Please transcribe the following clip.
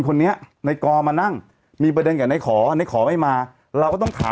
เปียกก็ไม่ได้อีกถูกมั้ยฮะ